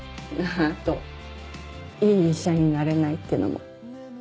あと「いい医者になれない」ってのも。